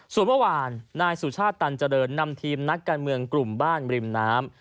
ส่วนเมื่อวานนายสุชาติตันเจริญนำทีมนักการเมืองกลุ่มบ้านริมน้ำ